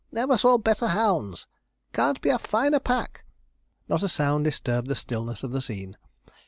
never saw better hounds! can't be a finer pack!' not a sound disturbed the stillness of the scene.